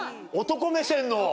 男目線の。